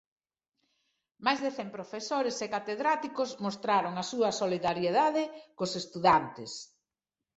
Máis de cen profesores e catedráticos mostraron a súa solidariedade cos estudantes.